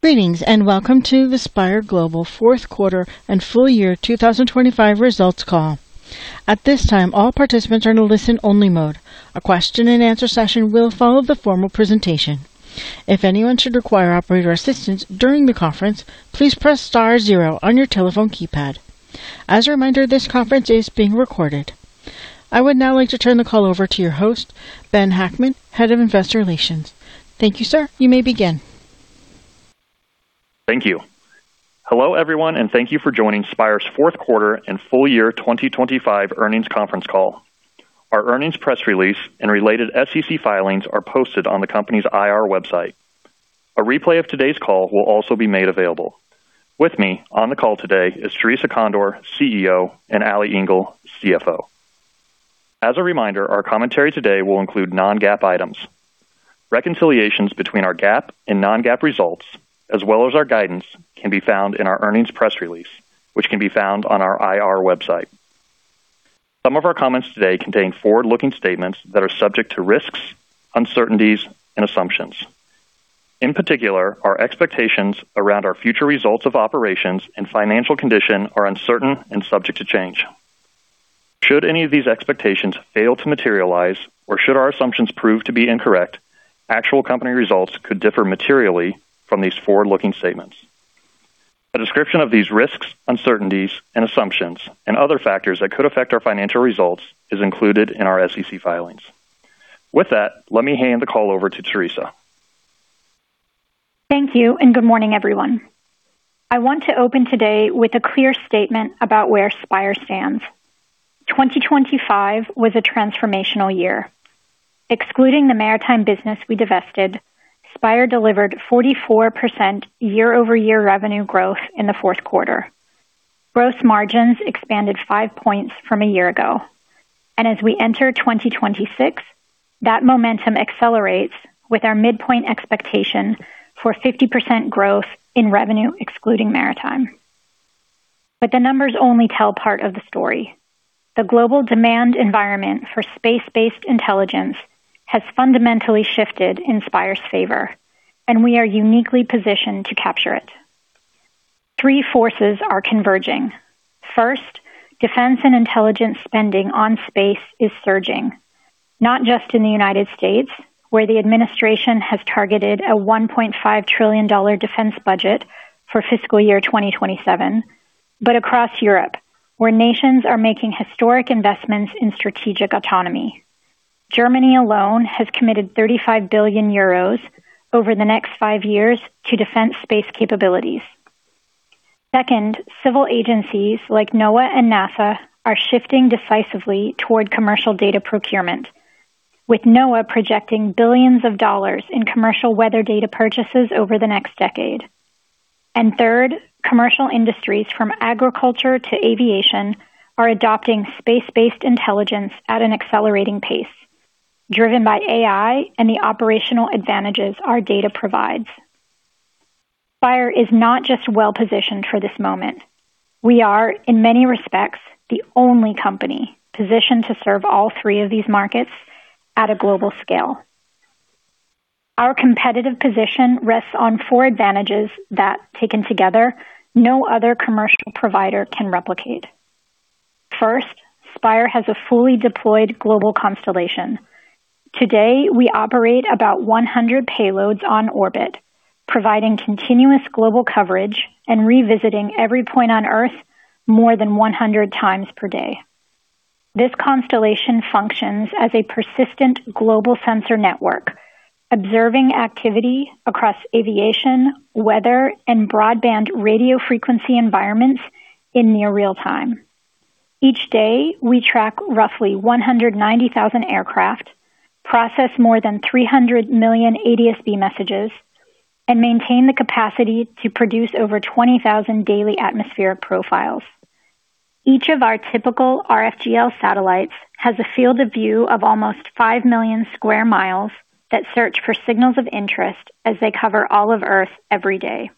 Greetings, and welcome to the Spire Global fourth quarter and full year 2025 results call. At this time, all participants are in a listen-only mode. A question and answer session will follow the formal presentation. If anyone should require operator assistance during the conference, please press star zero on your telephone keypad. As a reminder, this conference is being recorded. I would now like to turn the call over to your host, Benjamin Hackman, Head of Investor Relations. Thank you, sir. You may begin. Thank you. Hello, everyone, and thank you for joining Spire's fourth quarter and full year 2025 earnings conference call. Our earnings press release and related SEC filings are posted on the company's IR website. A replay of today's call will also be made available. With me on the call today is Theresa Condor, CEO, and Alison Engel, CFO. As a reminder, our commentary today will include non-GAAP items. Reconciliations between our GAAP and non-GAAP results, as well as our guidance, can be found in our earnings press release, which can be found on our IR website. Some of our comments today contain forward-looking statements that are subject to risks, uncertainties, and assumptions. In particular, our expectations around our future results of operations and financial condition are uncertain and subject to change. Should any of these expectations fail to materialize or should our assumptions prove to be incorrect, actual company results could differ materially from these forward-looking statements. A description of these risks, uncertainties, and assumptions and other factors that could affect our financial results is included in our SEC filings. With that, let me hand the call over to Theresa. Thank you and good morning, everyone. I want to open today with a clear statement about where Spire stands. 2025 was a transformational year. Excluding the maritime business we divested, Spire delivered 44% year-over-year revenue growth in the fourth quarter. Gross margins expanded five points from a year ago. As we enter 2026, that momentum accelerates with our midpoint expectation for 50% growth in revenue excluding maritime. The numbers only tell part of the story. The global demand environment for space-based intelligence has fundamentally shifted in Spire's favor, and we are uniquely positioned to capture it. Three forces are converging. First, defense and intelligence spending on space is surging, not just in the United States, where the administration has targeted a $1.5 trillion defense budget for fiscal year 2027, but across Europe, where nations are making historic investments in strategic autonomy. Germany alone has committed 35 billion euros over the next five years to defense space capabilities. Second, civil agencies like NOAA and NASA are shifting decisively toward commercial data procurement, with NOAA projecting billions of dollars in commercial weather data purchases over the next decade. Third, commercial industries from agriculture to aviation are adopting space-based intelligence at an accelerating pace driven by AI and the operational advantages our data provides. Spire is not just well-positioned for this moment. We are, in many respects, the only company positioned to serve all three of these markets at a global scale. Our competitive position rests on four advantages that, taken together, no other commercial provider can replicate. First, Spire has a fully deployed global constellation. Today, we operate about 100 payloads on orbit, providing continuous global coverage and revisiting every point on Earth more than 100x per day. This constellation functions as a persistent global sensor network, observing activity across aviation, weather, and broadband radio frequency environments in near real-time. Each day, we track roughly 190,000 aircraft, process more than 300 million ADS-B messages, and maintain the capacity to produce over 20,000 daily atmospheric profiles. Each of our typical RFGL satellites has a field of view of almost 5 million sq mi that search for signals of interest as they cover all of Earth every day.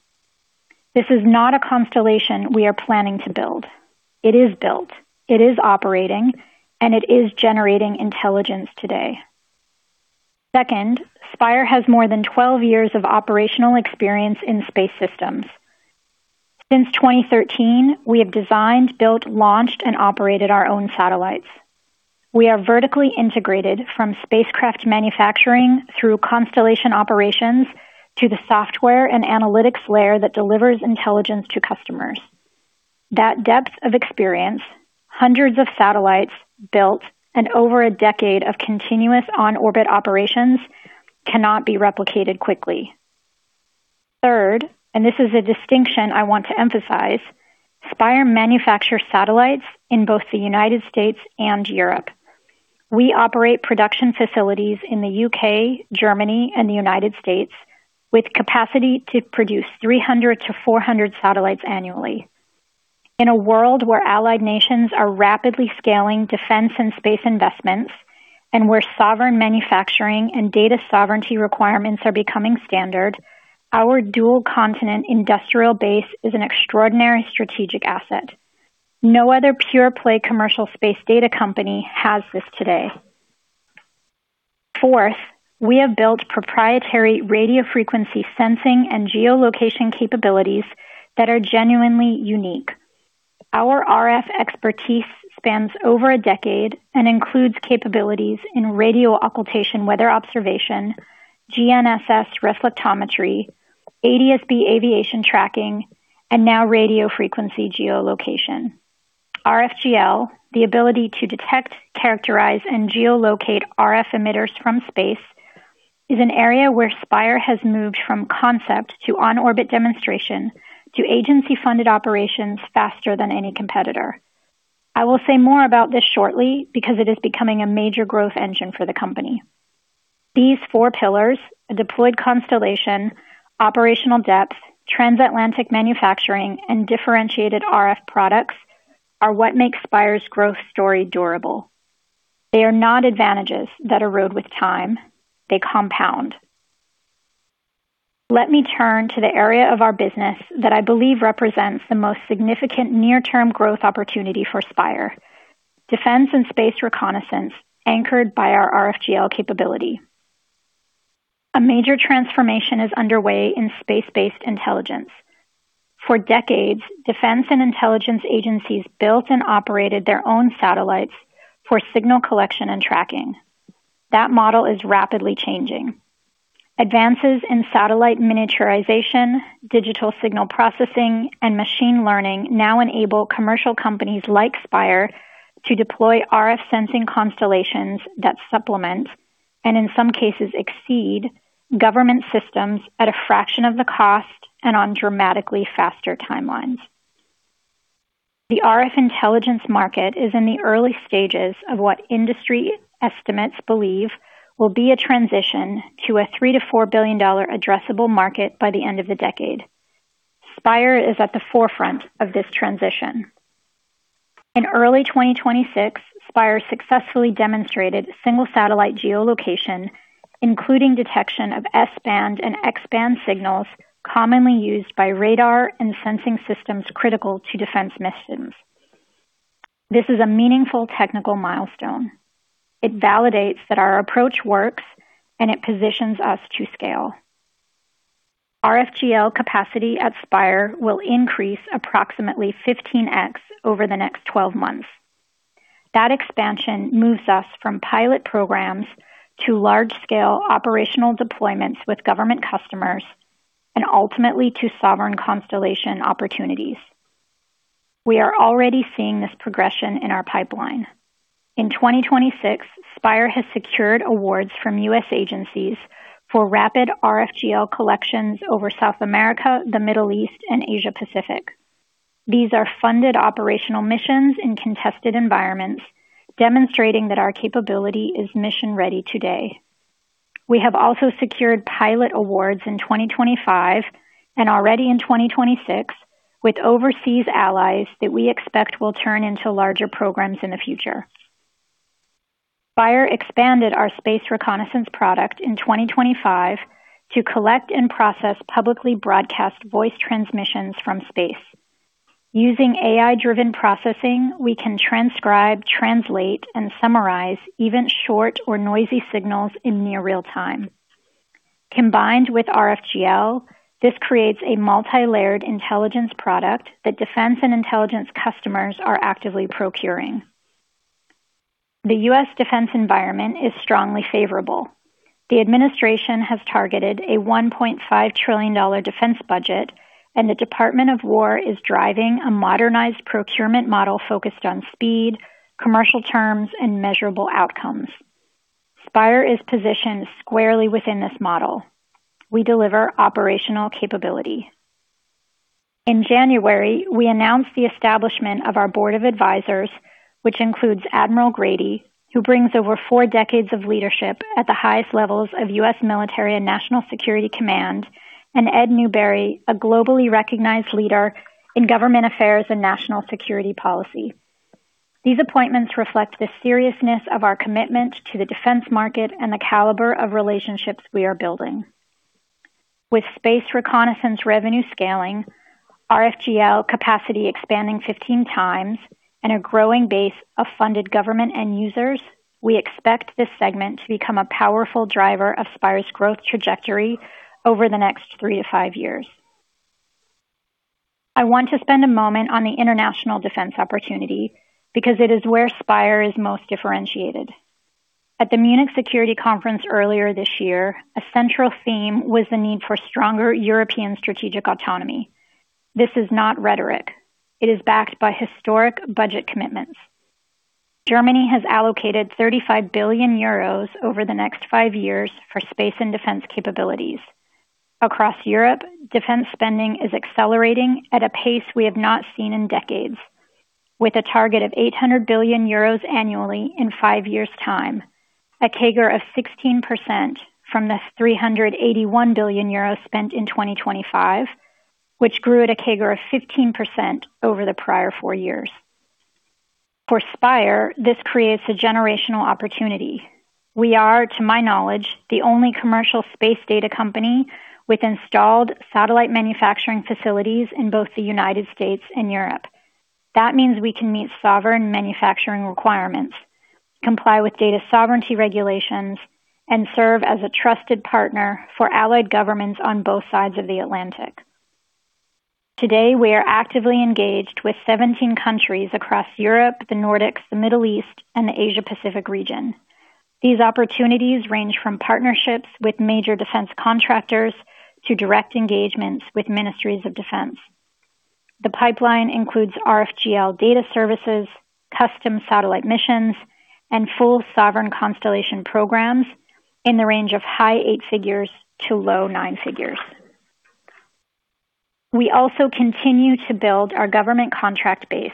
This is not a constellation we are planning to build. It is built, it is operating, and it is generating intelligence today. Second, Spire has more than 12 years of operational experience in space systems. Since 2013, we have designed, built, launched, and operated our own satellites. We are vertically integrated from spacecraft manufacturing through constellation operations to the software and analytics layer that delivers intelligence to customers. That depth of experience, hundreds of satellites built and over a decade of continuous on-orbit operations cannot be replicated quickly. Third, and this is a distinction I want to emphasize, Spire manufactures satellites in both the United States and Europe. We operate production facilities in the U.K., Germany, and the United States with capacity to produce 300-400 satellites annually. In a world where allied nations are rapidly scaling defense and space investments and where sovereign manufacturing and data sovereignty requirements are becoming standard, our dual-continent industrial base is an extraordinary strategic asset. No other pure-play commercial space data company has this today. Fourth, we have built proprietary radio frequency sensing and geolocation capabilities that are genuinely unique. Our RF expertise spans over a decade and includes capabilities in radio occultation weather observation, GNSS reflectometry, ADS-B aviation tracking, and now radio frequency geolocation. RFGL, the ability to detect, characterize, and geolocate RF emitters from space, is an area where Spire has moved from concept to on-orbit demonstration to agency-funded operations faster than any competitor. I will say more about this shortly because it is becoming a major growth engine for the company. These four pillars, a deployed constellation, operational depth, transatlantic manufacturing, and differentiated RF products, are what make Spire's growth story durable. They are not advantages that erode with time. They compound. Let me turn to the area of our business that I believe represents the most significant near-term growth opportunity for Spire. Defense and space reconnaissance, anchored by our RFGL capability. A major transformation is underway in space-based intelligence. For decades, defense and intelligence agencies built and operated their own satellites for signal collection and tracking. That model is rapidly changing. Advances in satellite miniaturization, digital signal processing, and machine learning now enable commercial companies like Spire to deploy RF sensing constellations that supplement, and in some cases exceed, government systems at a fraction of the cost and on dramatically faster timelines. The RF intelligence market is in the early stages of what industry estimates believe will be a transition to a $3-$4 billion addressable market by the end of the decade. Spire is at the forefront of this transition. In early 2026, Spire successfully demonstrated single satellite geolocation, including detection of S-band and X-band signals commonly used by radar and sensing systems critical to defense missions. This is a meaningful technical milestone. It validates that our approach works and it positions us to scale. RFGL capacity at Spire will increase approximately 15x over the next 12 months. That expansion moves us from pilot programs to large-scale operational deployments with government customers and ultimately to sovereign constellation opportunities. We are already seeing this progression in our pipeline. In 2026, Spire has secured awards from U.S. agencies for rapid RFGL collections over South America, the Middle East, and Asia Pacific. These are funded operational missions in contested environments demonstrating that our capability is mission-ready today. We have also secured pilot awards in 2025 and already in 2026 with overseas allies that we expect will turn into larger programs in the future. Spire expanded our space reconnaissance product in 2025 to collect and process publicly broadcast voice transmissions from space. Using AI-driven processing, we can transcribe, translate, and summarize even short or noisy signals in near real-time. Combined with RFGL, this creates a multi-layered intelligence product that defense and intelligence customers are actively procuring. The U.S. defense environment is strongly favorable. The administration has targeted a $1.5 trillion defense budget, and the Department of Defense is driving a modernized procurement model focused on speed, commercial terms, and measurable outcomes. Spire is positioned squarely within this model. We deliver operational capability. In January, we announced the establishment of our board of advisors, which includes Admiral Grady, who brings over four decades of leadership at the highest levels of U.S. military and national security command, and Ed Newberry, a globally recognized leader in government affairs and national security policy. These appointments reflect the seriousness of our commitment to the defense market and the caliber of relationships we are building. With space reconnaissance revenue scaling, RFGL capacity expanding 15x and a growing base of funded government end users, we expect this segment to become a powerful driver of Spire's growth trajectory over the next three to five years. I want to spend a moment on the international defense opportunity because it is where Spire is most differentiated. At the Munich Security Conference earlier this year, a central theme was the need for stronger European strategic autonomy. This is not rhetoric. It is backed by historic budget commitments. Germany has allocated 35 billion euros over the next five years for space and defense capabilities. Across Europe, defense spending is accelerating at a pace we have not seen in decades, with a target of 800 billion euros annually in five years' time, a CAGR of 16% from the 381 billion euros spent in 2025, which grew at a CAGR of 15% over the prior four years. For Spire, this creates a generational opportunity. We are, to my knowledge, the only commercial space data company with installed satellite manufacturing facilities in both the United States and Europe. That means we can meet sovereign manufacturing requirements, comply with data sovereignty regulations, and serve as a trusted partner for allied governments on both sides of the Atlantic. Today, we are actively engaged with 17 countries across Europe, the Nordics, the Middle East, and the Asia Pacific region. These opportunities range from partnerships with major defense contractors to direct engagements with ministries of defense. The pipeline includes RFGL data services, custom satellite missions, and full sovereign constellation programs in the range of high 8 figures to low 9 figures. We also continue to build our government contract base.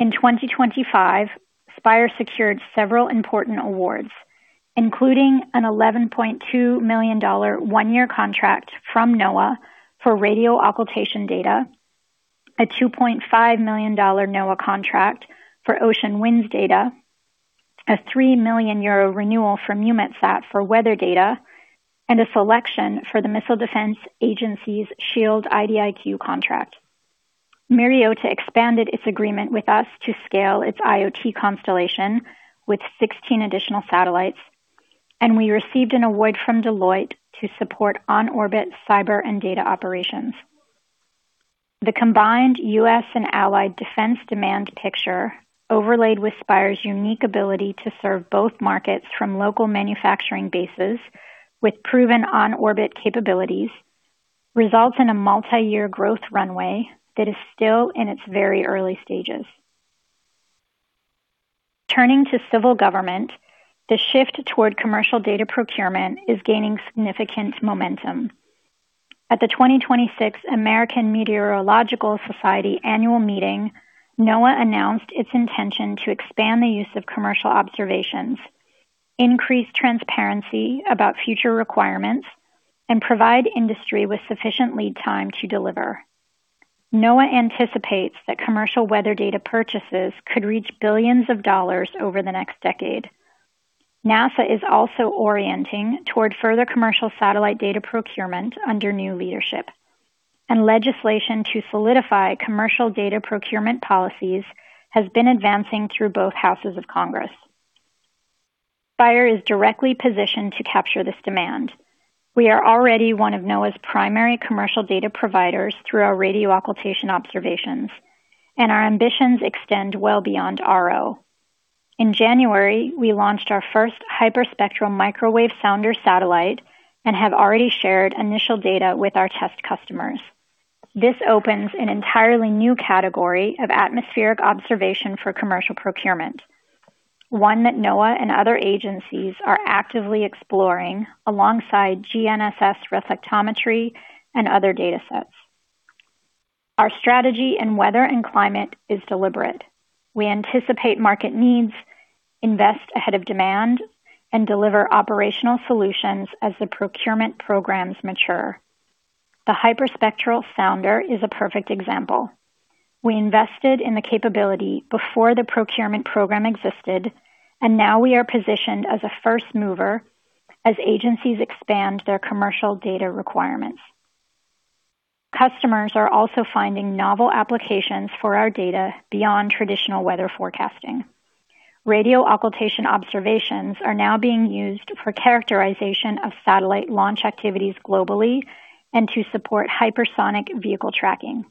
In 2025, Spire secured several important awards, including an $11.2 million one-year contract from NOAA for radio occultation data, a $2.5 million NOAA contract for ocean winds data, a 3 million euro renewal from EUMETSAT for weather data, and a selection for the Missile Defense Agency's SHIELD IDIQ contract. Myriota expanded its agreement with us to scale its IoT constellation with 16 additional satellites, and we received an award from Deloitte to support on-orbit cyber and data operations. The combined U.S. and allied defense demand picture, overlaid with Spire's unique ability to serve both markets from local manufacturing bases with proven on-orbit capabilities, results in a multi-year growth runway that is still in its very early stages. Turning to civil government, the shift toward commercial data procurement is gaining significant momentum. At the 2026 American Meteorological Society annual meeting, NOAA announced its intention to expand the use of commercial observations, increase transparency about future requirements, and provide industry with sufficient lead time to deliver. NOAA anticipates that commercial weather data purchases could reach billions of dollars over the next decade. NASA is also orienting toward further commercial satellite data procurement under new leadership. Legislation to solidify commercial data procurement policies has been advancing through both houses of Congress. Spire is directly positioned to capture this demand. We are already one of NOAA's primary commercial data providers through our radio occultation observations, and our ambitions extend well beyond RO. In January, we launched our first Hyperspectral Microwave Sounder satellite and have already shared initial data with our test customers. This opens an entirely new category of atmospheric observation for commercial procurement, one that NOAA and other agencies are actively exploring alongside GNSS reflectometry and other datasets. Our strategy in weather and climate is deliberate. We anticipate market needs, invest ahead of demand, and deliver operational solutions as the procurement programs mature. The hyperspectral sounder is a perfect example. We invested in the capability before the procurement program existed, and now we are positioned as a first mover as agencies expand their commercial data requirements. Customers are also finding novel applications for our data beyond traditional weather forecasting. Radio occultation observations are now being used for characterization of satellite launch activities globally and to support hypersonic vehicle tracking.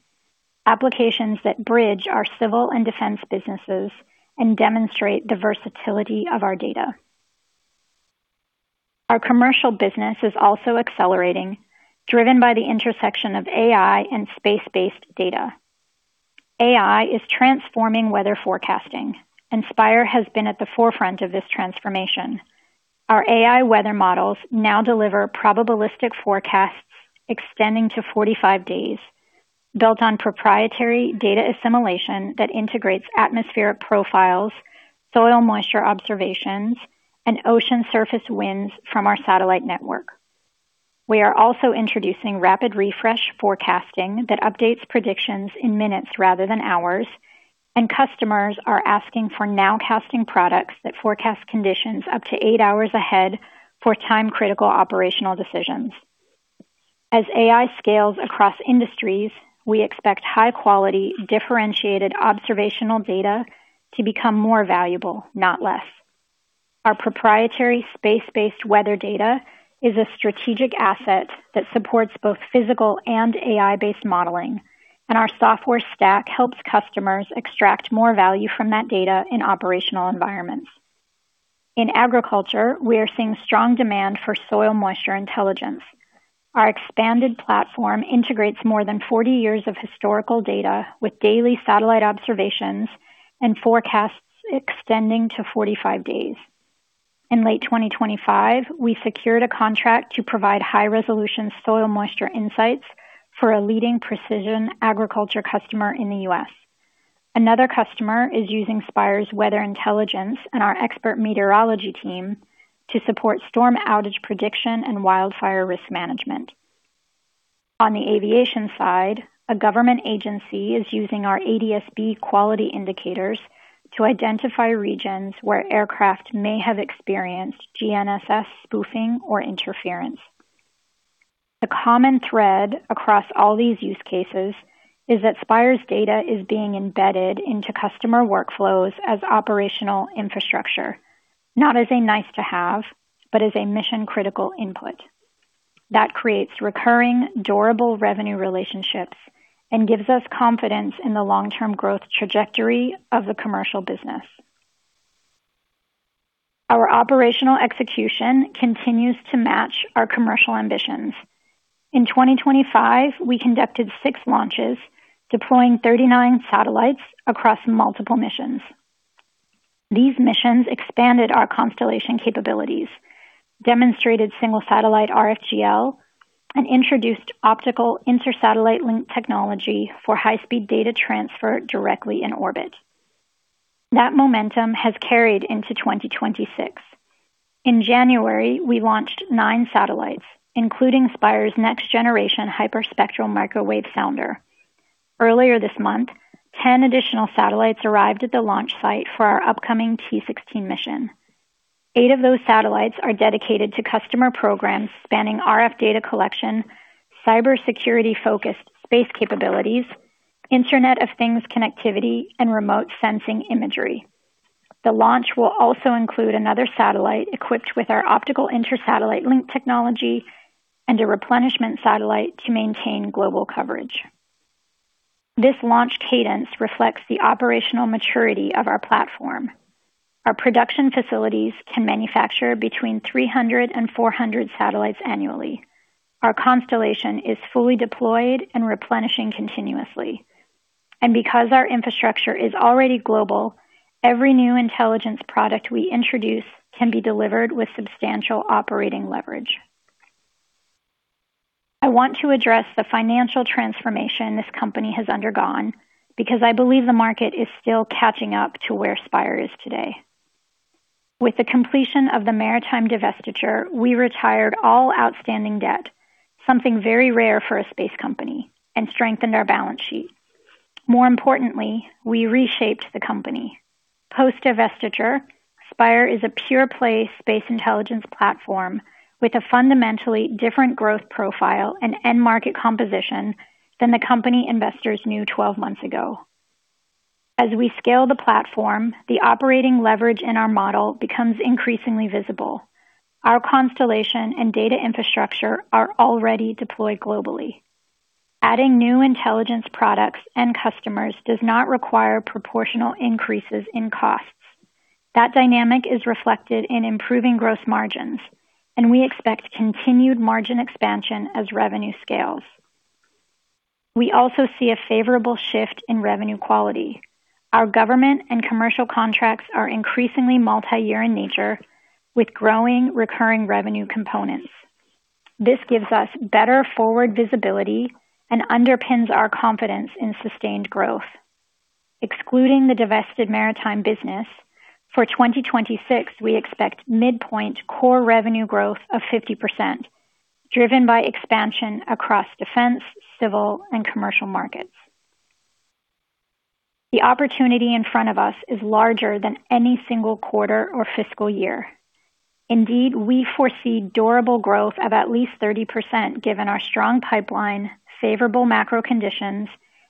Applications that bridge our civil and defense businesses and demonstrate the versatility of our data. Our commercial business is also accelerating, driven by the intersection of AI and space-based data. AI is transforming weather forecasting, and Spire has been at the forefront of this transformation. Our AI weather models now deliver probabilistic forecasts extending to 45 days built on proprietary data assimilation that integrates atmospheric profiles, soil moisture observations, and ocean surface winds from our satellite network. We are also introducing rapid refresh forecasting that updates predictions in minutes rather than hours, and customers are asking for nowcasting products that forecast conditions up to eight hours ahead for time-critical operational decisions. As AI scales across industries, we expect high-quality, differentiated observational data to become more valuable, not less. Our proprietary space-based weather data is a strategic asset that supports both physical and AI-based modeling, and our software stack helps customers extract more value from that data in operational environments. In agriculture, we are seeing strong demand for soil moisture intelligence. Our expanded platform integrates more than 40 years of historical data with daily satellite observations and forecasts extending to 45 days. In late 2025, we secured a contract to provide high-resolution soil moisture insights for a leading precision agriculture customer in the U.S. Another customer is using Spire's weather intelligence and our expert meteorology team to support storm outage prediction and wildfire risk management. On the aviation side, a government agency is using our ADSB quality indicators to identify regions where aircraft may have experienced GNSS spoofing or interference. The common thread across all these use cases is that Spire's data is being embedded into customer workflows as operational infrastructure, not as a nice-to-have, but as a mission-critical input. That creates recurring, durable revenue relationships and gives us confidence in the long-term growth trajectory of the commercial business. Our operational execution continues to match our commercial ambitions. In 2025, we conducted 6 launches, deploying 39 satellites across multiple missions. These missions expanded our constellation capabilities, demonstrated single satellite RFGL, and introduced optical inter-satellite link technology for high-speed data transfer directly in orbit. That momentum has carried into 2026. In January, we launched nine satellites, including Spire's next-generation Hyperspectral Microwave Sounder. Earlier this month, 10 additional satellites arrived at the launch site for our upcoming Transporter-16 mission. Eight of those satellites are dedicated to customer programs spanning RF data collection, cybersecurity-focused space capabilities, Internet of Things connectivity, and remote sensing imagery. The launch will also include another satellite equipped with our optical inter-satellite link technology and a replenishment satellite to maintain global coverage. This launch cadence reflects the operational maturity of our platform. Our production facilities can manufacture between 300 and 400 satellites annually. Our constellation is fully deployed and replenishing continuously. Because our infrastructure is already global, every new intelligence product we introduce can be delivered with substantial operating leverage. I want to address the financial transformation this company has undergone because I believe the market is still catching up to where Spire is today. With the completion of the maritime divestiture, we retired all outstanding debt, something very rare for a space company, and strengthened our balance sheet. More importantly, we reshaped the company. Post-divestiture, Spire is a pure play space intelligence platform with a fundamentally different growth profile and end market composition than the company investors knew twelve months ago. As we scale the platform, the operating leverage in our model becomes increasingly visible. Our constellation and data infrastructure are already deployed globally. Adding new intelligence products and customers does not require proportional increases in costs. That dynamic is reflected in improving gross margins, and we expect continued margin expansion as revenue scales. We also see a favorable shift in revenue quality. Our government and commercial contracts are increasingly multi-year in nature with growing recurring revenue components. This gives us better forward visibility and underpins our confidence in sustained growth. Excluding the divested maritime business, for 2026, we expect midpoint core revenue growth of 50%, driven by expansion across defense, civil, and commercial markets. The opportunity in front of us is larger than any single quarter or fiscal year. Indeed, we foresee durable growth of at least 30% given our strong pipeline, favorable macro conditions,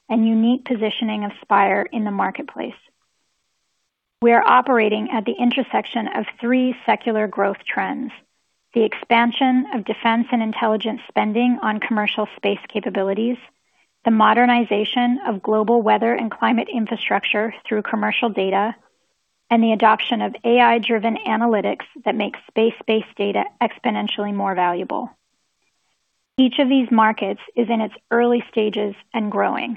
and unique positioning of Spire in the marketplace. We are operating at the intersection of three secular growth trends, the expansion of defense and intelligence spending on commercial space capabilities, the modernization of global weather and climate infrastructure through commercial data, and the adoption of AI-driven analytics that make space-based data exponentially more valuable. Each of these markets is in its early stages and growing.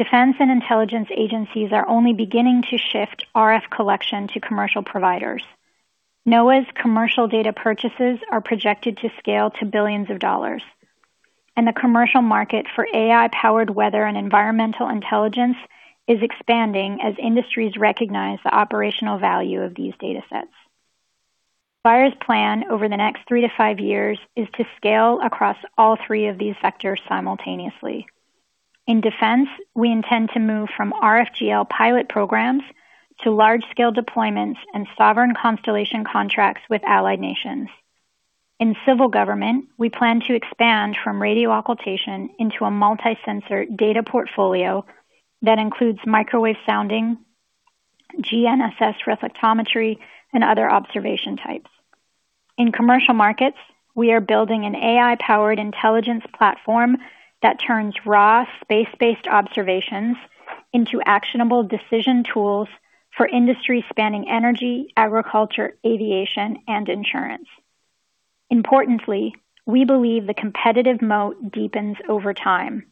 Defense and intelligence agencies are only beginning to shift RF collection to commercial providers. NOAA's commercial data purchases are projected to scale to billions of dollars. The commercial market for AI-powered weather and environmental intelligence is expanding as industries recognize the operational value of these datasets. Spire's plan over the next three to five years is to scale across all three of these sectors simultaneously. In defense, we intend to move from RFGL pilot programs to large-scale deployments and sovereign constellation contracts with allied nations. In civil government, we plan to expand from radio occultation into a multi-sensor data portfolio that includes microwave sounding, GNSS reflectometry, and other observation types. In commercial markets, we are building an AI-powered intelligence platform that turns raw space-based observations into actionable decision tools for industry spanning energy, agriculture, aviation, and insurance. Importantly, we believe the competitive moat deepens over time.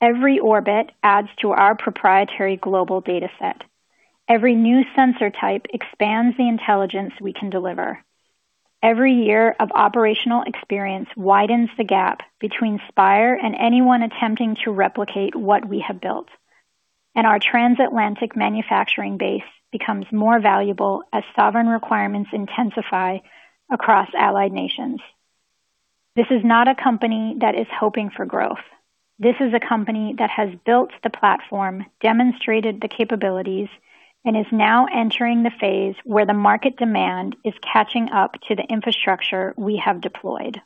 Every orbit adds to our proprietary global dataset. Every new sensor type expands the intelligence we can deliver. Every year of operational experience widens the gap between Spire and anyone attempting to replicate what we have built. Our transatlantic manufacturing base becomes more valuable as sovereign requirements intensify across allied nations. This is not a company that is hoping for growth. This is a company that has built the platform, demonstrated the capabilities, and is now entering the phase where the market demand is catching up to the infrastructure we have deployed.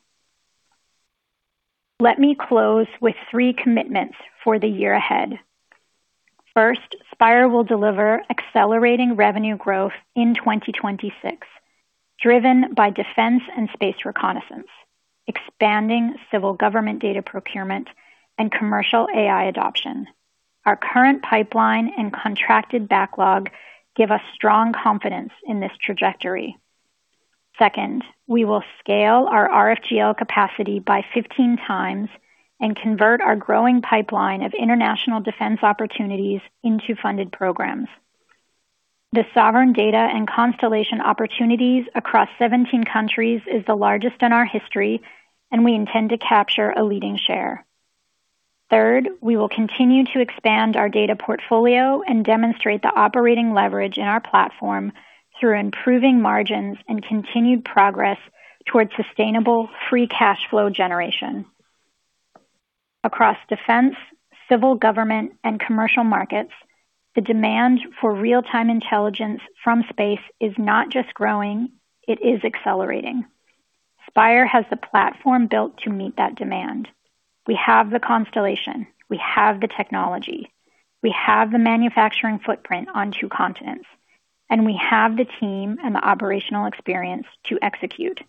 Let me close with three commitments for the year ahead. First, Spire will deliver accelerating revenue growth in 2026, driven by defense and space reconnaissance, expanding civil government data procurement and commercial AI adoption. Our current pipeline and contracted backlog give us strong confidence in this trajectory. Second, we will scale our RFGL capacity by 15x and convert our growing pipeline of international defense opportunities into funded programs. The sovereign data and constellation opportunities across 17 countries is the largest in our history, and we intend to capture a leading share. Third, we will continue to expand our data portfolio and demonstrate the operating leverage in our platform through improving margins and continued progress towards sustainable free cash flow generation. Across defense, civil government, and commercial markets, the demand for real-time intelligence from space is not just growing, it is accelerating. Spire has the platform built to meet that demand. We have the constellation. We have the technology. We have the manufacturing footprint on two continents, and we have the team and the operational experience to execute.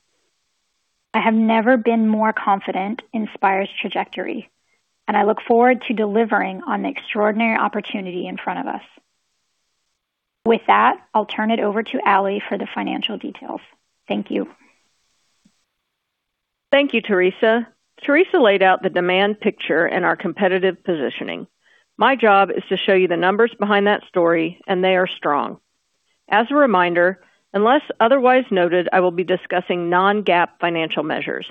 I have never been more confident in Spire's trajectory, and I look forward to delivering on the extraordinary opportunity in front of us. With that, I'll turn it over to Ali for the financial details. Thank you. Thank you, Theresa. Theresa laid out the demand picture and our competitive positioning. My job is to show you the numbers behind that story, and they are strong. As a reminder, unless otherwise noted, I will be discussing non-GAAP financial measures.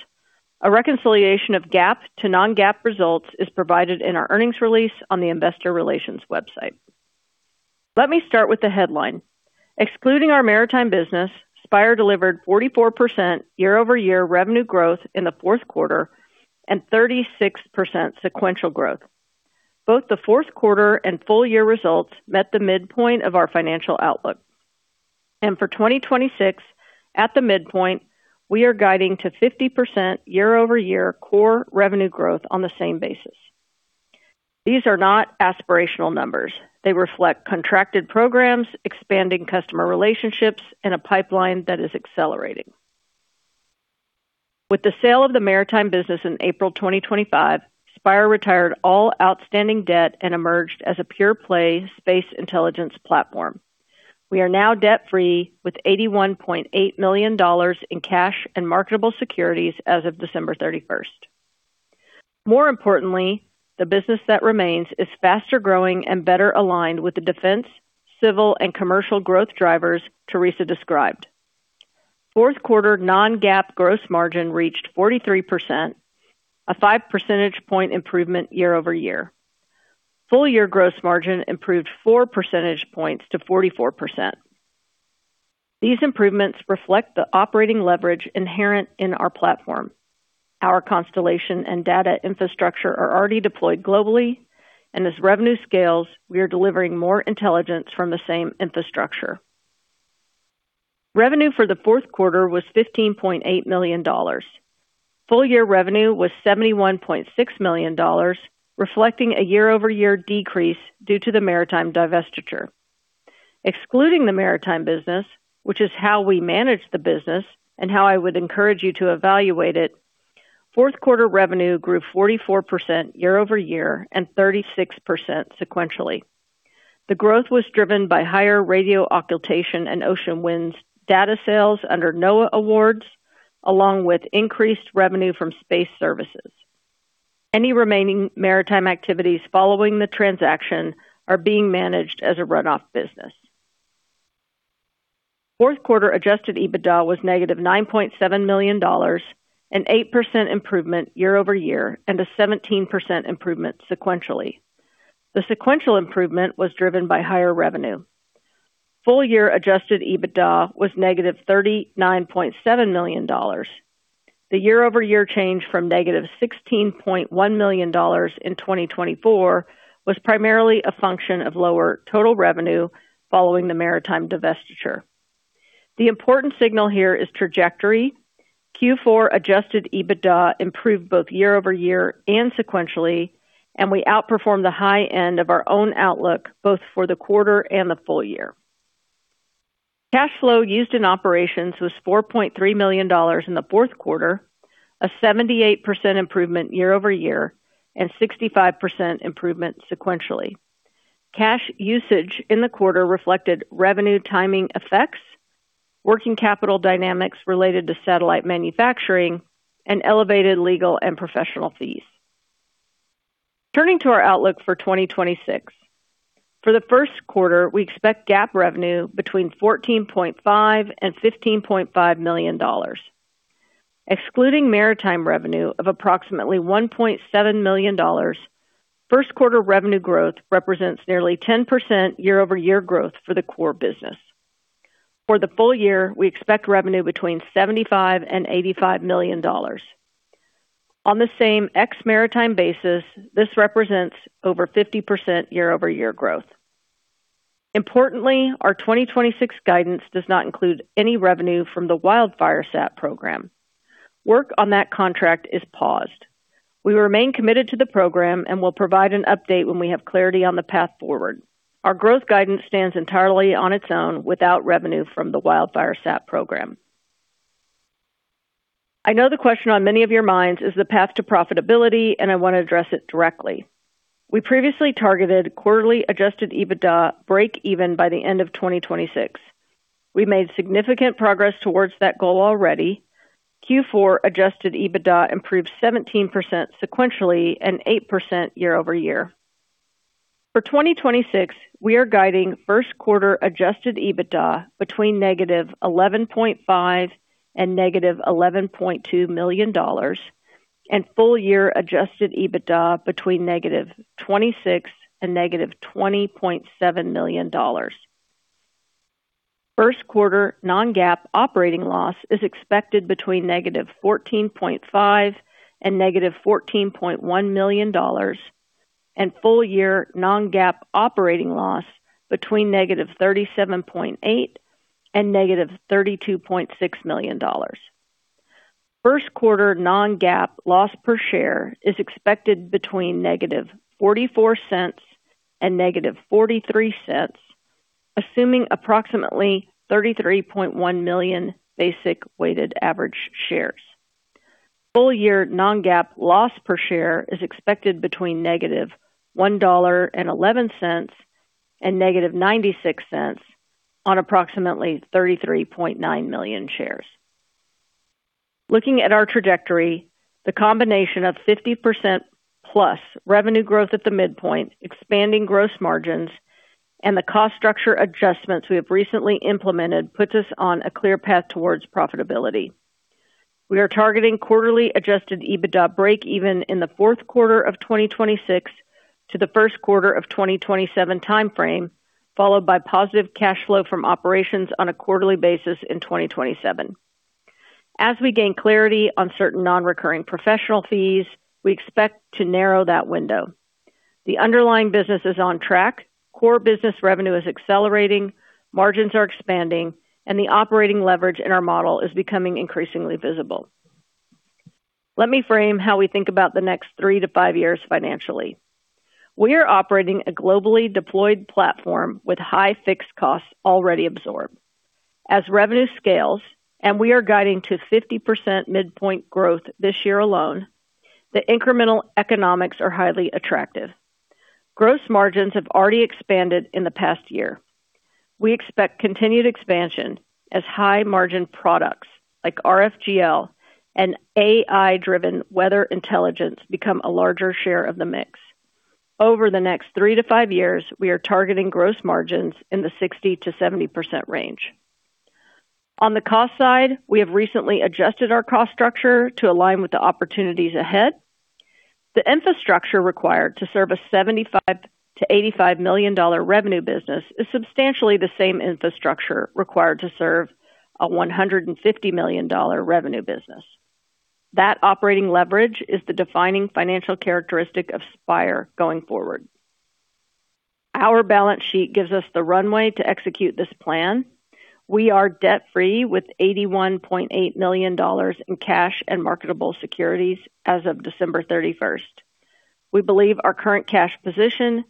A reconciliation of GAAP to non-GAAP results is provided in our earnings release on the investor relations website. Let me start with the headline. Excluding our maritime business, Spire delivered 44% year-over-year revenue growth in the fourth quarter and 36% sequential growth. Both the fourth quarter and full year results met the midpoint of our financial outlook. For 2026, at the midpoint, we are guiding to 50% year-over-year core revenue growth on the same basis. These are not aspirational numbers. They reflect contracted programs, expanding customer relationships, and a pipeline that is accelerating. With the sale of the maritime business in April 2025, Spire retired all outstanding debt and emerged as a pure play space intelligence platform. We are now debt-free with $81.8 million in cash and marketable securities as of December 31. More importantly, the business that remains is faster growing and better aligned with the defense, civil and commercial growth drivers Theresa described. Fourth quarter non-GAAP gross margin reached 43%, a five percentage point improvement year-over-year. Full year gross margin improved four percentage points to 44%. These improvements reflect the operating leverage inherent in our platform. Our constellation and data infrastructure are already deployed globally, and as revenue scales, we are delivering more intelligence from the same infrastructure. Revenue for the fourth quarter was $15.8 million. Full year revenue was $71.6 million, reflecting a year-over-year decrease due to the maritime divestiture. Excluding the maritime business, which is how we manage the business and how I would encourage you to evaluate it, fourth quarter revenue grew 44% year-over-year and 36% sequentially. The growth was driven by higher radio occultation and ocean winds data sales under NOAA awards, along with increased revenue from space services. Any remaining maritime activities following the transaction are being managed as a run-off business. Fourth quarter adjusted EBITDA was -$9.7 million, an 8% improvement year-over-year and a 17% improvement sequentially. The sequential improvement was driven by higher revenue. Full year adjusted EBITDA was -$39.7 million. The year-over-year change from -$16.1 million in 2024 was primarily a function of lower total revenue following the maritime divestiture. The important signal here is trajectory. Q4 adjusted EBITDA improved both year-over-year and sequentially, and we outperformed the high end of our own outlook, both for the quarter and the full year. Cash flow used in operations was $4.3 million in the fourth quarter, a 78% improvement year-over-year and 65% improvement sequentially. Cash usage in the quarter reflected revenue timing effects, working capital dynamics related to satellite manufacturing, and elevated legal and professional fees. Turning to our outlook for 2026. For the first quarter, we expect GAAP revenue between $14.5 million and $15.5 million. Excluding maritime revenue of approximately $1.7 million, first quarter revenue growth represents nearly 10% year-over-year growth for the core business. For the full year, we expect revenue between $75 million and $85 million. On the same ex maritime basis, this represents over 50% year-over-year growth. Importantly, our 2026 guidance does not include any revenue from the WildFireSat program. Work on that contract is paused. We remain committed to the program and will provide an update when we have clarity on the path forward. Our growth guidance stands entirely on its own without revenue from the WildFireSat program. I know the question on many of your minds is the path to profitability, and I want to address it directly. We previously targeted quarterly adjusted EBITDA break even by the end of 2026. We made significant progress towards that goal already. Q4 adjusted EBITDA improved 17% sequentially and 8% year-over-year. For 2026, we are guiding first quarter adjusted EBITDA between -$11.5 million and -$11.2 million and full year adjusted EBITDA between -$26 million and -$20 million. First quarter non-GAAP operating loss is expected between -$14.5 million and -$14.1 million, and full year non-GAAP operating loss between -$37.8 million and -$32.6 million. First quarter non-GAAP loss per share is expected between -$0.44 and -$0.43, assuming approximately 33.1 million basic weighted average shares. Full year non-GAAP loss per share is expected between -$1.11 and -$0.96 on approximately 33.9 million shares. Looking at our trajectory, the combination of 50%+ revenue growth at the midpoint, expanding gross margins and the cost structure adjustments we have recently implemented puts us on a clear path towards profitability. We are targeting quarterly adjusted EBITDA breakeven in the fourth quarter of 2026 to the first quarter of 2027 timeframe, followed by positive cash flow from operations on a quarterly basis in 2027. As we gain clarity on certain non-recurring professional fees, we expect to narrow that window. The underlying business is on track, core business revenue is accelerating, margins are expanding, and the operating leverage in our model is becoming increasingly visible. Let me frame how we think about the next three to five years financially. We are operating a globally deployed platform with high fixed costs already absorbed. As revenue scales, and we are guiding to 50% midpoint growth this year alone, the incremental economics are highly attractive. Gross margins have already expanded in the past year. We expect continued expansion as high margin products like RFGL and AI-driven weather intelligence become a larger share of the mix. Over the next three to five years, we are targeting gross margins in the 60%-70% range. On the cost side, we have recently adjusted our cost structure to align with the opportunities ahead. The infrastructure required to serve a $75 million-$85 million revenue business is substantially the same infrastructure required to serve a $150 million revenue business. That operating leverage is the defining financial characteristic of Spire going forward. Our balance sheet gives us the runway to execute this plan. We are debt free with $81.8 million in cash and marketable securities as of December 31. We believe our current cash position,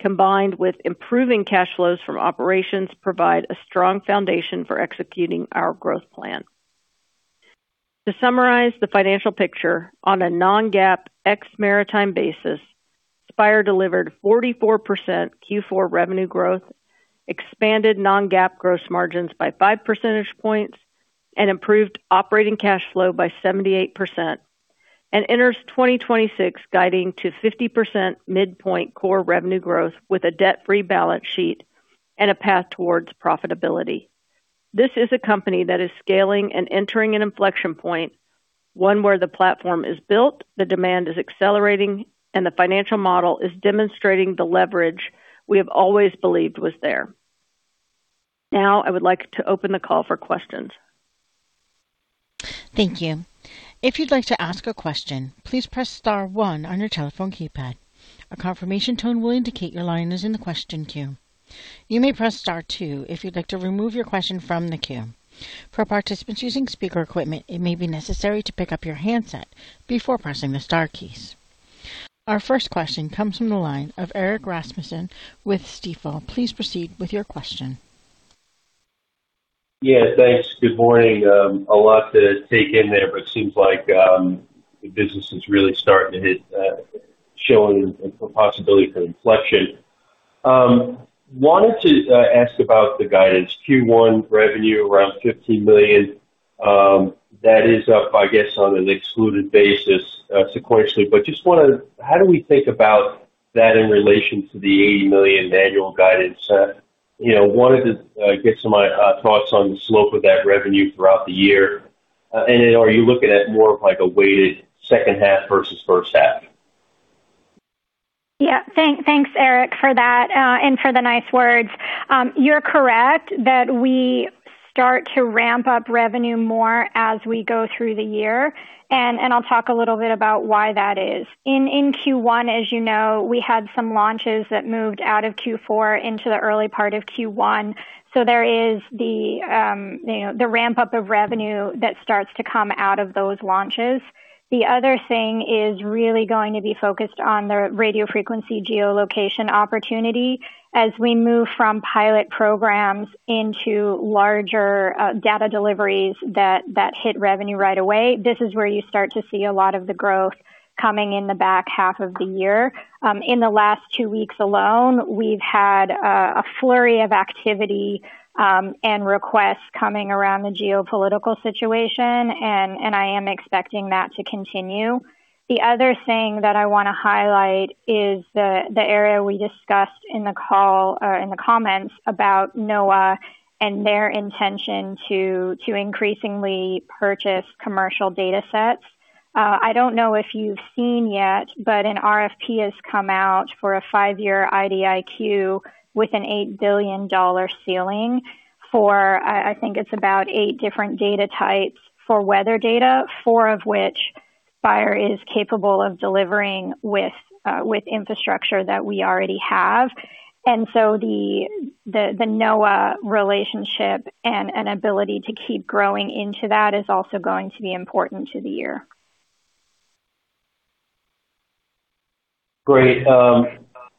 combined with improving cash flows from operations, provide a strong foundation for executing our growth plan. To summarize the financial picture on a non-GAAP ex maritime basis, Spire delivered 44% Q4 revenue growth, expanded non-GAAP gross margins by five percentage points and improved operating cash flow by 78% and enters 2026 guiding to 50% midpoint core revenue growth with a debt-free balance sheet and a path towards profitability. This is a company that is scaling and entering an inflection point, one where the platform is built, the demand is accelerating, and the financial model is demonstrating the leverage we have always believed was there. Now I would like to open the call for questions. Thank you. If you'd like to ask a question, please press star one on your telephone keypad. A confirmation tone will indicate your line is in the question queue. You may press star two if you'd like to remove your question from the queue. For participants using speaker equipment, it may be necessary to pick up your handset before pressing the star keys. Our first question comes from the line of Erik Rasmussen with Stifel. Please proceed with your question. Yeah, thanks. Good morning. A lot to take in there, but it seems like the business is really starting to hit, showing a possibility for inflection. Wanted to ask about the guidance Q1 revenue around $15 million, that is up, I guess, on an excluded basis, sequentially. Just want to know how we think about that in relation to the $80 million annual guidance? You know, wanted to get some thoughts on the slope of that revenue throughout the year. Then are you looking at more of like a weighted second half versus first half? Thanks, Erik, for that and for the nice words. You're correct that we start to ramp up revenue more as we go through the year, and I'll talk a little bit about why that is. In Q1, as you know, we had some launches that moved out of Q4 into the early part of Q1. There is the ramp-up of revenue that starts to come out of those launches. The other thing is really going to be focused on the radio frequency geolocation opportunity. As we move from pilot programs into larger data deliveries that hit revenue right away, this is where you start to see a lot of the growth coming in the back half of the year. In the last two weeks alone, we've had a flurry of activity and requests coming around the geopolitical situation and I am expecting that to continue. The other thing that I wanna highlight is the area we discussed in the call or in the comments about NOAA and their intention to increasingly purchase commercial datasets. I don't know if you've seen yet, but an RFP has come out for a 5-year IDIQ with an $8 billion ceiling for I think it's about eight different data types for weather data, four of which Spire is capable of delivering with infrastructure that we already have. The NOAA relationship and an ability to keep growing into that is also going to be important to the year. Great.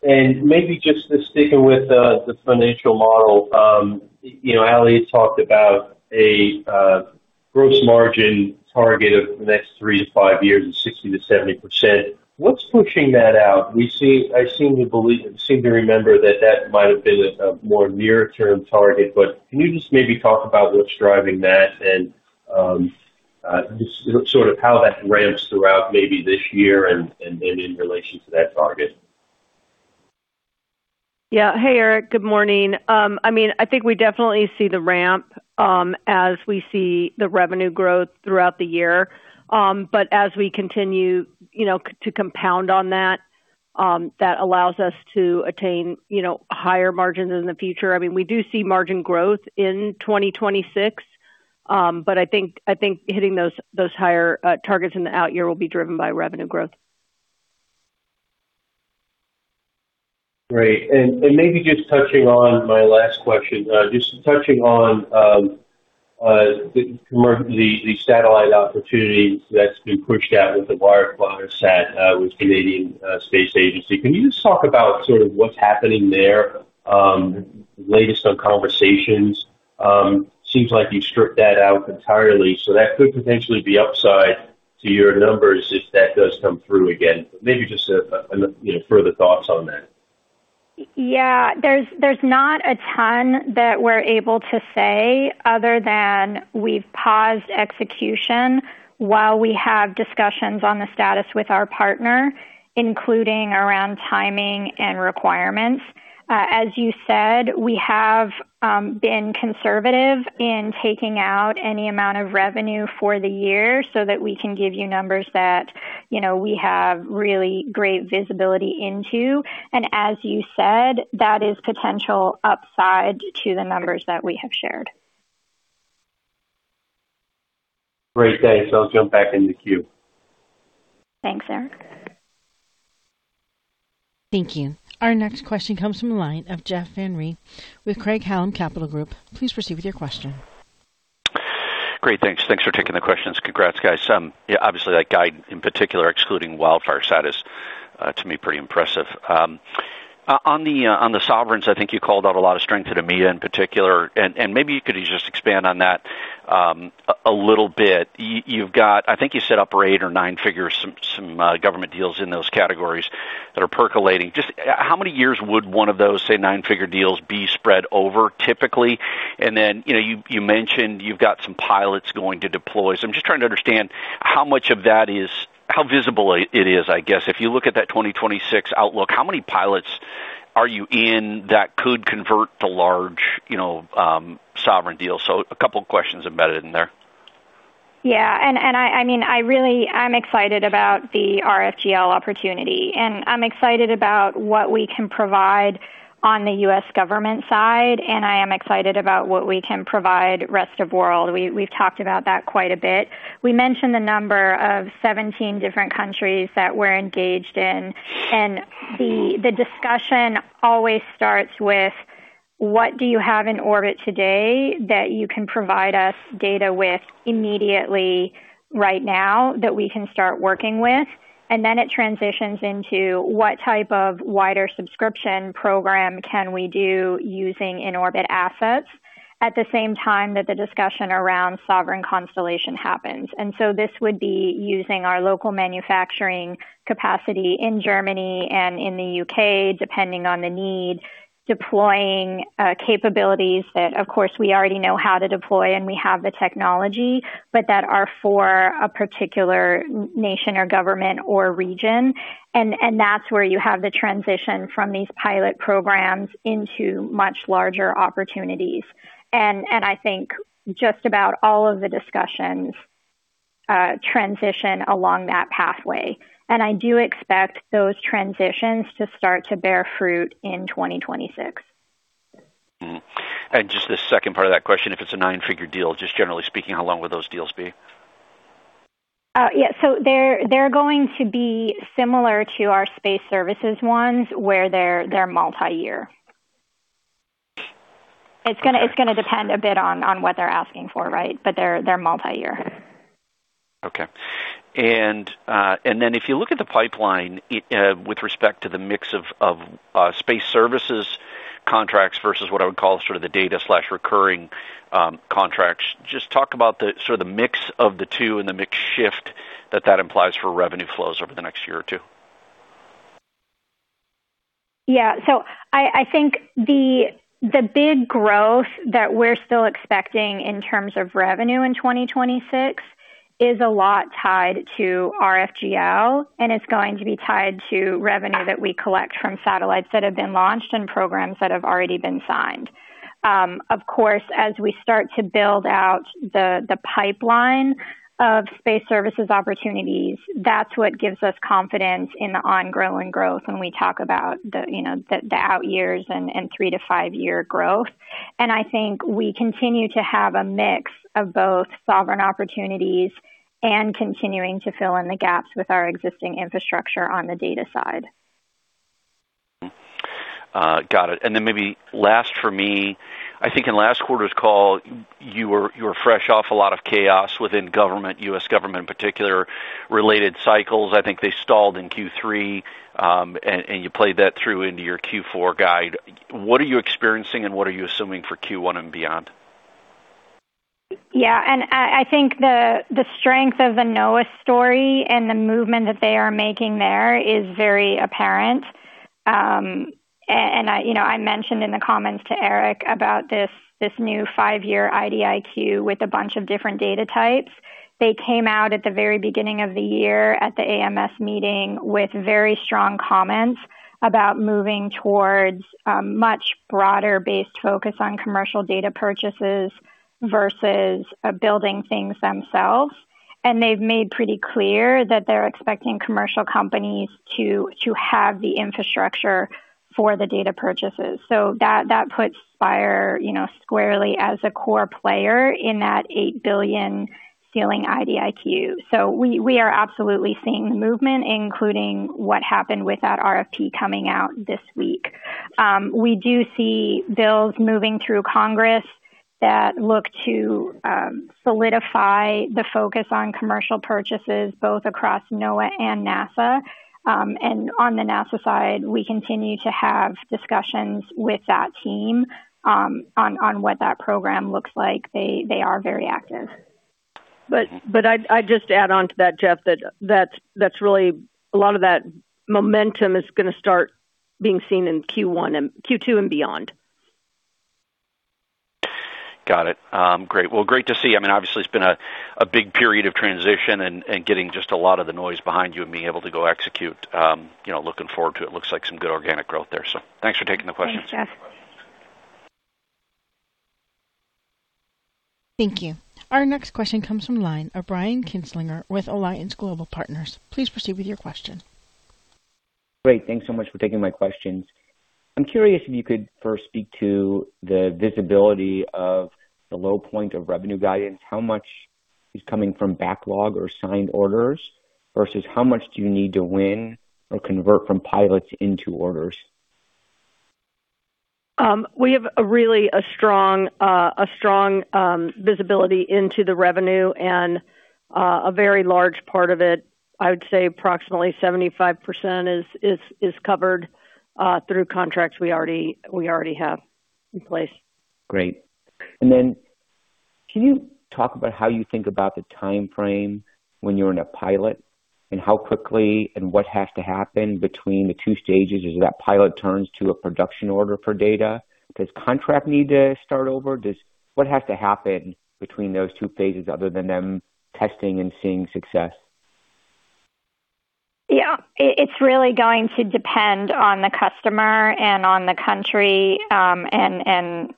Maybe just to sticking with the financial model. You know, Ali talked about a gross margin target of the next three to five years of 60%-70%. What's pushing that out? I seem to believe seem to remember that that might have been a more near-term target, but can you just maybe talk about what's driving that and sort of how that ramps throughout maybe this year and in relation to that target? Hey, Erik. Good morning. I mean, I think we definitely see the ramp as we see the revenue growth throughout the year. But as we continue, you know, to compound on that allows us to attain, you know, higher margins in the future. I mean, we do see margin growth in 2026, but I think hitting those higher targets in the out year will be driven by revenue growth. Great. Maybe just touching on my last question. Just touching on the satellite opportunities that's been pushed out with the WildFireSat with Canadian Space Agency. Can you just talk about sort of what's happening there? Latest on conversations. Seems like you stripped that out entirely, so that could potentially be upside to your numbers if that does come through again. Maybe just a you know, further thoughts on that. Yeah. There's not a ton that we're able to say other than we've paused execution while we have discussions on the status with our partner, including around timing and requirements. As you said, we have been conservative in taking out any amount of revenue for the year so that we can give you numbers that, you know, we have really great visibility into. As you said, that is potential upside to the numbers that we have shared. Great. Okay. I'll jump back in the queue. Thanks, Erik. Thank you. Our next question comes from the line of Jeff Van Rhee with Craig-Hallum Capital Group. Please proceed with your question. Great. Thanks. Thanks for taking the questions. Congrats, guys. Yeah, obviously that guide, in particular, excluding WildFireSat, to me pretty impressive. On the sovereigns, I think you called out a lot of strength to EMEA in particular. Maybe you could just expand on that, a little bit. You've got I think you set up for eight or nine figures, some government deals in those categories that are percolating. Just how many years would one of those, say, nine-figure deals be spread over typically? Then, you know, you mentioned you've got some pilots going to deploy. I'm just trying to understand how much of that is how visible it is, I guess. If you look at that 2026 outlook, how many pilots are you in that could convert to large, you know, sovereign deals? A couple of questions embedded in there. Yeah. I mean, I really am excited about the RFGL opportunity. I'm excited about what we can provide on the U.S. government side, and I am excited about what we can provide the rest of the world. We've talked about that quite a bit. We mentioned the number of 17 different countries that we're engaged in. The discussion always starts with, what do you have in orbit today that you can provide us data with immediately right now that we can start working with? Then it transitions into what type of wider subscription program can we do using in-orbit assets. At the same time that the discussion around sovereign constellation happens. This would be using our local manufacturing capacity in Germany and in the U.K., depending on the need, deploying capabilities that of course we already know how to deploy and we have the technology, but that are for a particular nation or government or region. That's where you have the transition from these pilot programs into much larger opportunities. I think just about all of the discussions transition along that pathway. I do expect those transitions to start to bear fruit in 2026. Just the second part of that question, if it's a nine-figure deal, just generally speaking, how long will those deals be? Yeah, they're going to be similar to our space services ones where they're multi-year. Okay. It's gonna depend a bit on what they're asking for, right? They're multi-year. Okay. Then if you look at the pipeline, with respect to the mix of space services contracts versus what I would call sort of the data/recurring contracts, just talk about the sort of mix of the two and the mix shift that implies for revenue flows over the next year or two. Yeah. I think the big growth that we're still expecting in terms of revenue in 2026 is a lot tied to RFGL, and it's going to be tied to revenue that we collect from satellites that have been launched and programs that have already been signed. Of course, as we start to build out the pipeline of space services opportunities, that's what gives us confidence in the ongoing growth when we talk about you know, the out years and three- to five-year growth. I think we continue to have a mix of both sovereign opportunities and continuing to fill in the gaps with our existing infrastructure on the data side. Maybe last for me. I think in last quarter's call, you were fresh off a lot of chaos within government, U.S. government in particular, related cycles. I think they stalled in Q3, and you played that through into your Q4 guide. What are you experiencing and what are you assuming for Q1 and beyond? Yeah. I think the strength of the NOAA story and the movement that they are making there is very apparent. I mentioned in the comments to Erik about this new 5-year IDIQ with a bunch of different data types. They came out at the very beginning of the year at the AMS meeting with very strong comments about moving towards a much broader-based focus on commercial data purchases versus building things themselves. They've made pretty clear that they're expecting commercial companies to have the infrastructure for the data purchases. That puts Spire, you know, squarely as a core player in that $8 billion ceiling IDIQ. We are absolutely seeing the movement, including what happened with that RFP coming out this week. We do see bills moving through Congress that look to solidify the focus on commercial purchases, both across NOAA and NASA. On the NASA side, we continue to have discussions with that team, on what that program looks like. They are very active. I'd just add on to that, Jeff, that that's really a lot of that momentum is gonna start being seen in Q1 and Q2 and beyond. Got it. Great. Well, great to see. I mean, obviously, it's been a big period of transition and getting just a lot of the noise behind you and being able to go execute, you know, looking forward to it. Looks like some good organic growth there. Thanks for taking the questions. Thanks, Jeff. Thank you. Our next question comes from line of Brian Kinstlinger with Alliance Global Partners. Please proceed with your question. Great. Thanks so much for taking my questions. I'm curious if you could first speak to the visibility of the low point of revenue guidance. How much is coming from backlog or signed orders, versus how much do you need to win or convert from pilots into orders? We have a really strong visibility into the revenue and a very large part of it, I would say approximately 75% is covered through contracts we already have in place. Great. Can you talk about how you think about the timeframe when you're in a pilot and how quickly and what has to happen between the two stages as that pilot turns to a production order for data? Does contract need to start over? What has to happen between those two phases other than them testing and seeing success? Yeah. It's really going to depend on the customer and on the country, and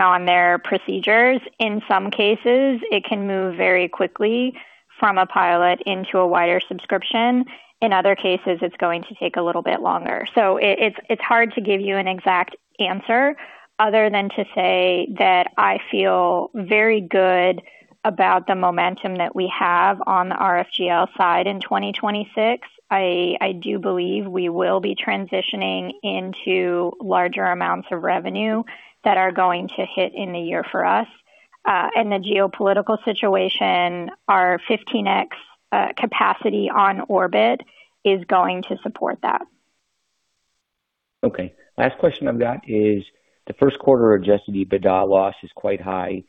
on their procedures. In some cases, it can move very quickly from a pilot into a wider subscription. In other cases, it's going to take a little bit longer. It's hard to give you an exact answer other than to say that I feel very good about the momentum that we have on the RFGL side in 2026. I do believe we will be transitioning into larger amounts of revenue that are going to hit in the year for us. The geopolitical situation, our 15x capacity on orbit is going to support that. Okay. Last question I've got is, the first quarter adjusted EBITDA loss is quite high.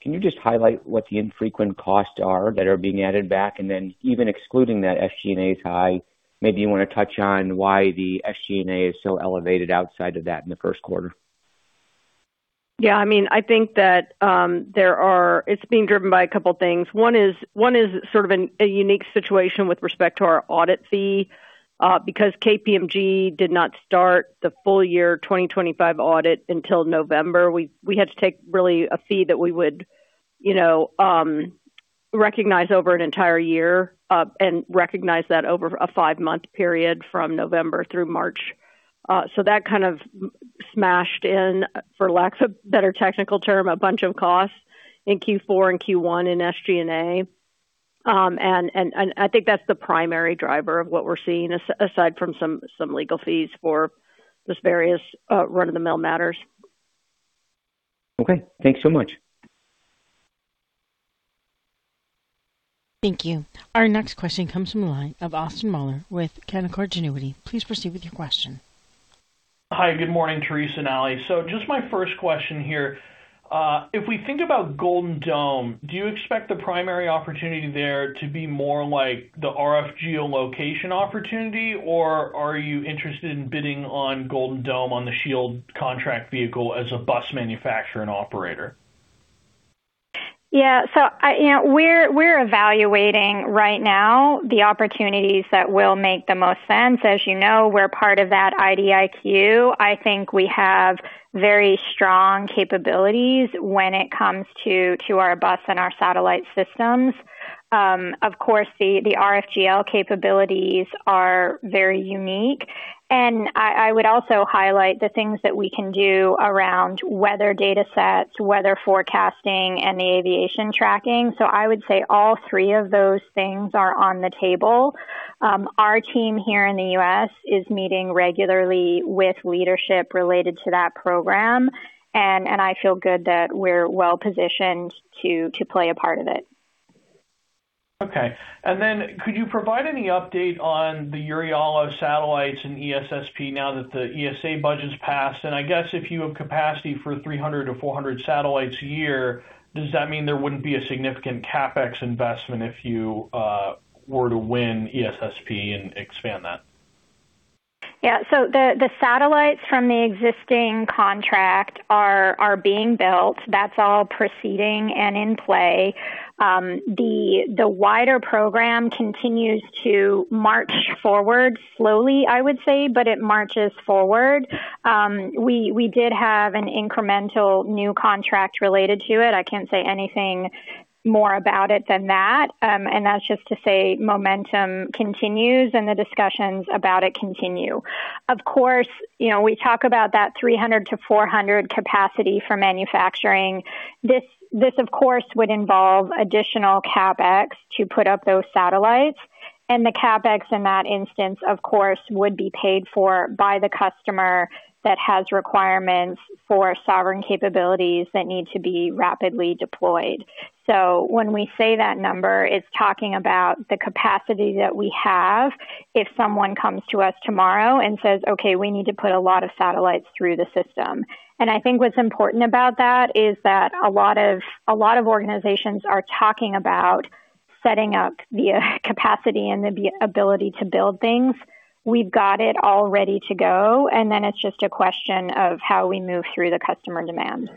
Can you just highlight what the infrequent costs are that are being added back? Even excluding that, SG&A is high. Maybe you wanna touch on why the SG&A is so elevated outside of that in the first quarter. Yeah, I mean, I think that It's being driven by a couple things. One is sort of a unique situation with respect to our audit fee. Because KPMG did not start the full year 2025 audit until November, we had to take really a fee that we would recognize over an entire year, and recognize that over a five-month period from November through March. That kind of mashed in, for lack of a better technical term, a bunch of costs in Q4 and Q1 in SG&A. I think that's the primary driver of what we're seeing, aside from some legal fees for just various run-of-the-mill matters. Okay. Thanks so much. Thank you. Our next question comes from the line of Austin Moeller with Canaccord Genuity. Please proceed with your question. Hi, good morning, Theresa and Alison. Just my first question here. If we think about Golden Dome, do you expect the primary opportunity there to be more like the RF geolocation opportunity, or are you interested in bidding on Golden Dome on the SHIELD contract vehicle as a bus manufacturer and operator? Yeah. I—you know, we're evaluating right now the opportunities that will make the most sense. As you know, we're part of that IDIQ. I think we have very strong capabilities when it comes to our bus and our satellite systems. Of course, the RFGL capabilities are very unique. I would also highlight the things that we can do around weather datasets, weather forecasting, and the aviation tracking. I would say all three of those things are on the table. Our team here in the U.S. is meeting regularly with leadership related to that program, and I feel good that we're well-positioned to play a part of it. Okay. Then could you provide any update on the EURIALO satellites and ESSP now that the ESA budget's passed? I guess if you have capacity for 300 or 400 satellites a year, does that mean there wouldn't be a significant CapEx investment if you were to win ESSP and expand that? Yeah. The satellites from the existing contract are being built. That's all proceeding and in play. The wider program continues to march forward slowly, I would say, but it marches forward. We did have an incremental new contract related to it. I can't say anything more about it than that. That's just to say momentum continues and the discussions about it continue. Of course, you know, we talk about that 300-400 capacity for manufacturing. This of course would involve additional CapEx to put up those satellites. The CapEx in that instance, of course, would be paid for by the customer that has requirements for sovereign capabilities that need to be rapidly deployed. When we say that number, it's talking about the capacity that we have if someone comes to us tomorrow and says, "Okay, we need to put a lot of satellites through the system." I think what's important about that is that a lot of organizations are talking about setting up the capacity and the ability to build things. We've got it all ready to go, and then it's just a question of how we move through the customer demand.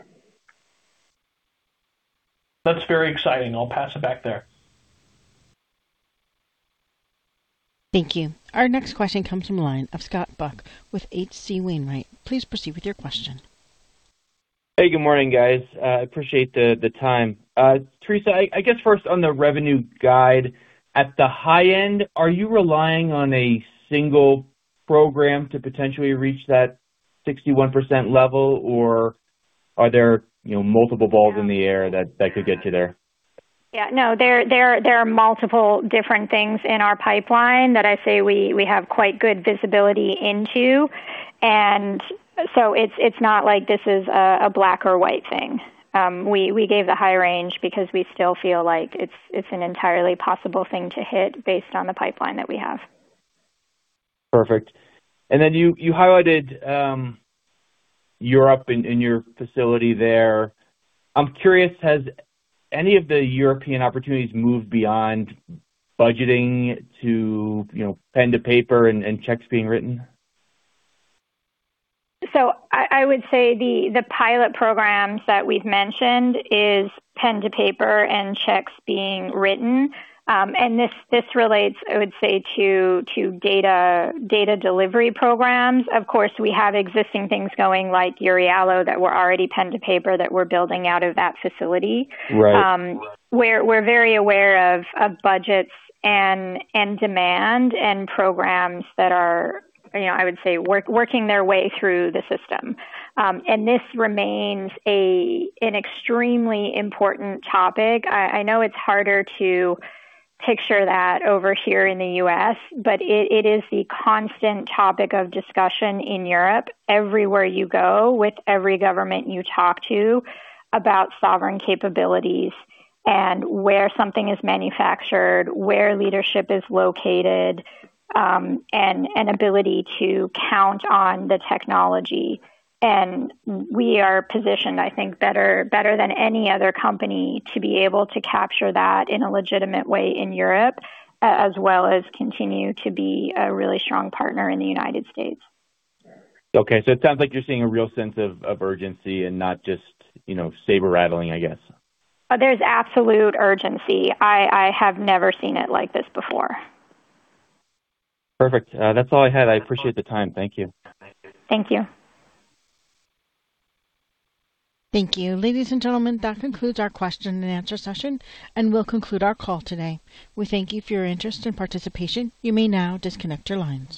That's very exciting. I'll pass it back there. Thank you. Our next question comes from the line of Scott Buck with H.C. Wainwright. Please proceed with your question. Hey, good morning, guys. Appreciate the time. Theresa, I guess first on the revenue guide, at the high end, are you relying on a single program to potentially reach that 61% level, or are there, you know, multiple balls in the air that could get you there? Yeah, no, there are multiple different things in our pipeline that I'd say we have quite good visibility into. It's not like this is a black or white thing. We gave the high range because we still feel like it's an entirely possible thing to hit based on the pipeline that we have. Perfect. You highlighted Europe and your facility there. I'm curious, has any of the European opportunities moved beyond budgeting to, you know, pen to paper and checks being written? I would say the pilot programs that we've mentioned is pen to paper and checks being written. This relates, I would say, to data delivery programs. Of course, we have existing things going like EURIALO that were already pen to paper that we're building out of that facility. Right. We're very aware of budgets and demand and programs that are, you know, I would say working their way through the system. This remains an extremely important topic. I know it's harder to picture that over here in the U.S., but it is the constant topic of discussion in Europe everywhere you go, with every government you talk to about sovereign capabilities and where something is manufactured, where leadership is located, and an ability to count on the technology. We are positioned, I think, better than any other company to be able to capture that in a legitimate way in Europe, as well as continue to be a really strong partner in the United States. Okay. It sounds like you're seeing a real sense of urgency and not just, you know, saber-rattling, I guess. There's absolute urgency. I have never seen it like this before. Perfect. That's all I had. I appreciate the time. Thank you. Thank you. Thank you. Ladies and gentlemen, that concludes our question and answer session, and we'll conclude our call today. We thank you for your interest and participation. You may now disconnect your lines.